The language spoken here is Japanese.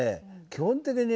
基本的にね